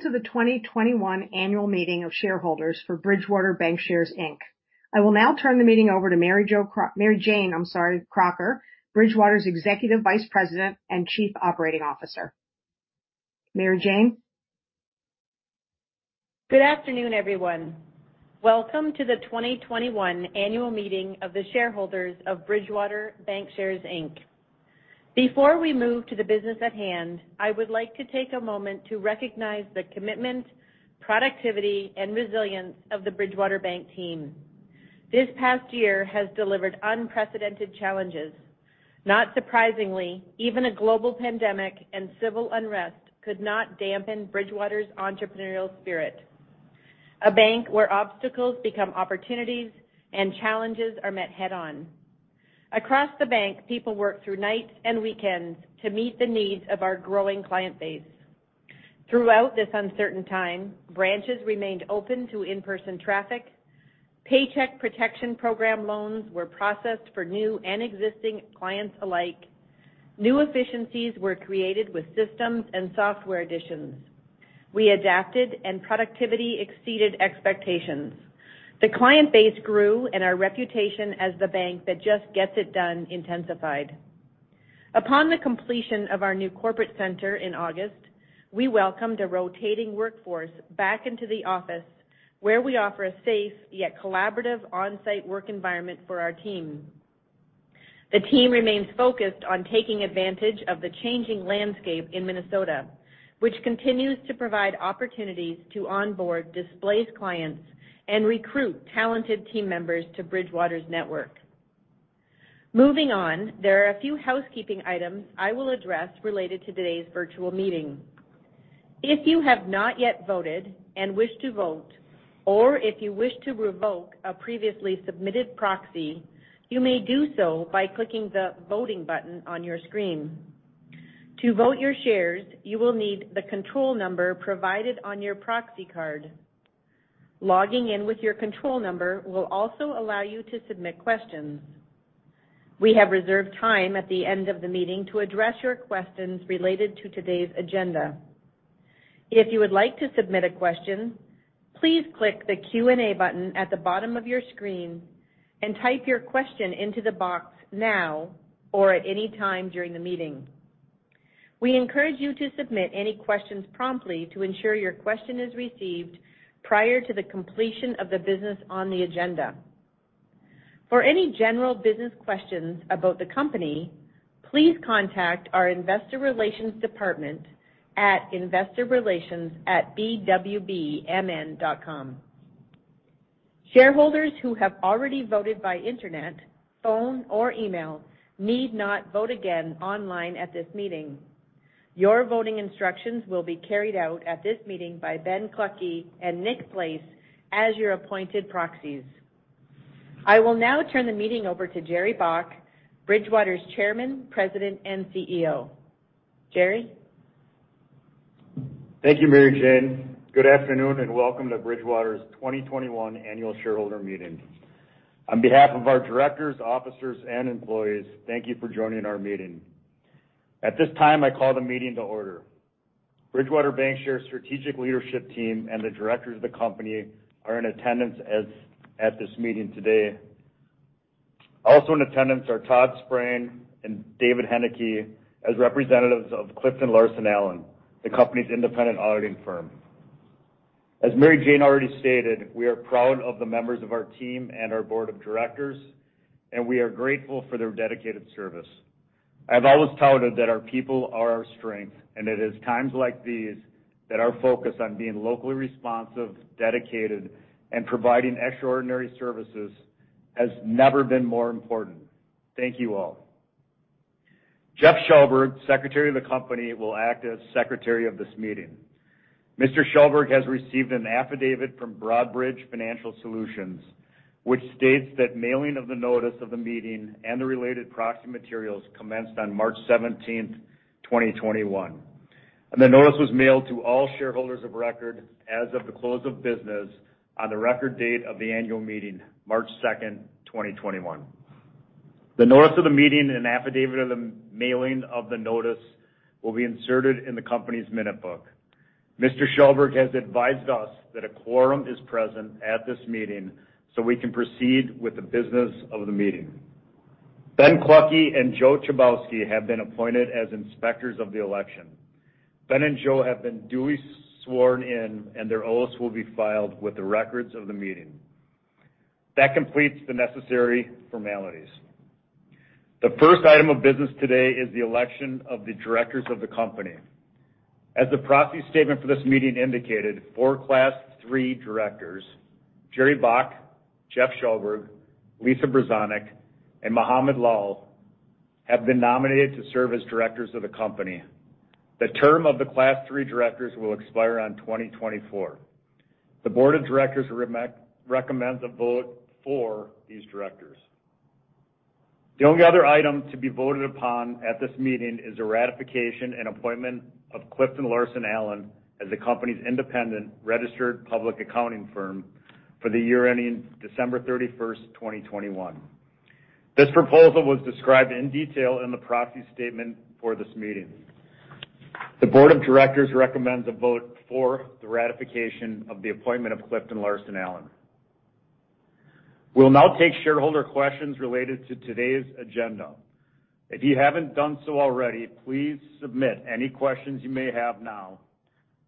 Welcome to the 2021 Annual Meeting of Shareholders for Bridgewater Bancshares, Inc. I will now turn the meeting over to Mary Jayne Crocker, Bridgewater's Executive Vice President and Chief Operating Officer. Mary Jayne? Good afternoon, everyone. Welcome to the 2021 Annual Meeting of the Shareholders of Bridgewater Bancshares, Inc. Before we move to the business at hand, I would like to take a moment to recognize the commitment, productivity, and resilience of the Bridgewater Bank team. This past year has delivered unprecedented challenges. Not surprisingly, even a global pandemic and civil unrest could not dampen Bridgewater's entrepreneurial spirit. A bank where obstacles become opportunities and challenges are met head-on. Across the bank, people work through nights and weekends to meet the needs of our growing client base. Throughout this uncertain time, branches remained open to in-person traffic. Paycheck Protection Program loans were processed for new and existing clients alike. New efficiencies were created with systems and software additions. We adapted, and productivity exceeded expectations. The client base grew, and our reputation as the bank that just gets it done intensified. Upon the completion of our new corporate center in August, we welcomed a rotating workforce back into the office, where we offer a safe, yet collaborative on-site work environment for our team. The team remains focused on taking advantage of the changing landscape in Minnesota, which continues to provide opportunities to onboard displaced clients and recruit talented team members to Bridgewater's network. Moving on, there are a few housekeeping items I will address related to today's virtual meeting. If you have not yet voted and wish to vote, or if you wish to revoke a previously submitted proxy, you may do so by clicking the voting button on your screen. To vote your shares, you will need the control number provided on your proxy card. Logging in with your control number will also allow you to submit questions. We have reserved time at the end of the meeting to address your questions related to today's agenda. If you would like to submit a question, please click the Q&A button at the bottom of your screen and type your question into the box now or at any time during the meeting. We encourage you to submit any questions promptly to ensure your question is received prior to the completion of the business on the agenda. For any general business questions about the company, please contact our investor relations department at investorrelations@bwbmn.com. Shareholders who have already voted by internet, phone, or email need not vote again online at this meeting. Your voting instructions will be carried out at this meeting by Ben Klocke and Nick Place as your appointed proxies. I will now turn the meeting over to Jerry Baack, Bridgewater's Chairman, President, and CEO. Jerry? Thank you, Mary Jayne. Good afternoon, welcome to Bridgewater's 2021 Annual Shareholder Meeting. On behalf of our directors, officers, and employees, thank you for joining our meeting. At this time, I call the meeting to order. Bridgewater Bancshares strategic leadership team and the directors of the company are in attendance at this meeting today. Also in attendance are Todd Sprang and David Heneke as representatives of CliftonLarsonAllen, the company's independent auditing firm. As Mary Jayne already stated, we are proud of the members of our team and our Board of Directors, and we are grateful for their dedicated service. I've always touted that our people are our strength, and it is times like these that our focus on being locally responsive, dedicated, and providing extraordinary services has never been more important. Thank you all. Jeff Shellberg, Secretary of the company, will act as secretary of this meeting. Mr. Shellberg has received an affidavit from Broadridge Financial Solutions, which states that mailing of the notice of the meeting and the related proxy materials commenced on March 17th, 2021. The notice was mailed to all shareholders of record as of the close of business on the record date of the annual meeting, March 2nd, 2021. The notice of the meeting and affidavit of the mailing of the notice will be inserted in the company's minute book. Mr. Shellberg has advised us that a quorum is present at this meeting, we can proceed with the business of the meeting. Ben Klocke and Joe Chybowski have been appointed as Inspectors of the Election. Ben and Joe have been duly sworn in, their oaths will be filed with the records of the meeting. That completes the necessary formalities. The first item of business today is the election of the directors of the company. As the Proxy Statement for this meeting indicated, four Class III directors, Jerry Baack, Jeff Shellberg, Lisa Brezonik, and Mohammed Lawal, have been nominated to serve as directors of the company. The term of the Class III directors will expire on 2024. The board of directors recommends a vote for these directors. The only other item to be voted upon at this meeting is a ratification and appointment of CliftonLarsonAllen as the company's independent registered public accounting firm for the year ending December 31st, 2021. This proposal was described in detail in the Proxy Statement for this meeting. The board of directors recommends a vote for the ratification of the appointment of CliftonLarsonAllen. We'll now take shareholder questions related to today's agenda. If you haven't done so already, please submit any questions you may have now.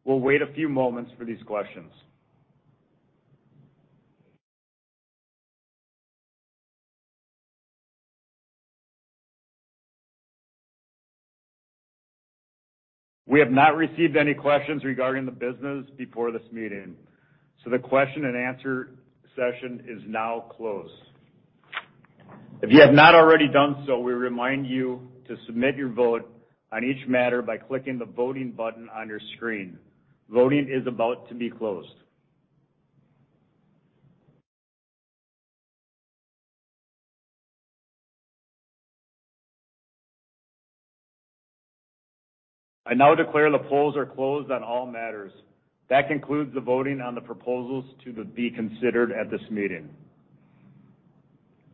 We'll wait a few moments for these questions. We have not received any questions regarding the business before this meeting, so the question-and-answer session is now closed. If you have not already done so, we remind you to submit your vote on each matter by clicking the voting button on your screen. Voting is about to be closed. I now declare the polls are closed on all matters. That concludes the voting on the proposals to be considered at this meeting.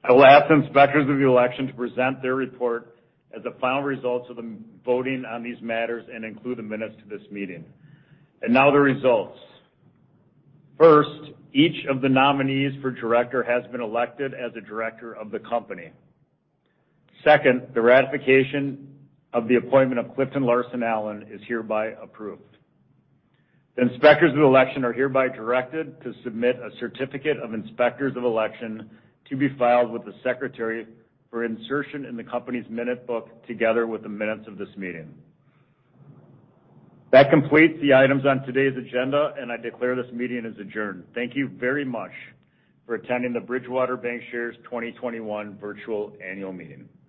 I will ask Inspectors of the Election to present their report as the final results of the voting on these matters and include the minutes to this meeting. Now the results. First, each of the nominees for director has been elected as a Director of the Company. Second, the ratification of the appointment of CliftonLarsonAllen is hereby approved. The inspectors of election are hereby directed to submit a certificate of inspectors of election to be filed with the secretary for insertion in the company's minute book, together with the minutes of this meeting. That completes the items on today's agenda. I declare this meeting is adjourned. Thank you very much for attending the Bridgewater Bancshares 2021 virtual Annual Meeting.